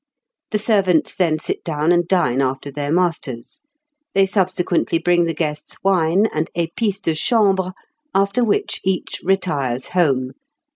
The servants then sit down and dine after their masters. They subsequently bring the guests wine and épices de chambre, after which each retires home."